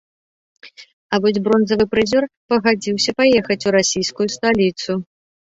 А вось бронзавы прызёр пагадзіўся паехаць у расійскую сталіцу.